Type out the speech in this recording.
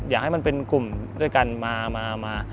อยากให้มันเป็นกลุ่มด้วยกันมา